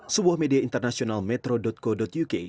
sebuah media internasional metro co uk